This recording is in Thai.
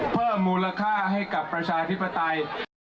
เพิ่มมูลค่าให้กับประชาธิปไตย